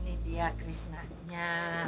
ini dia krisnanya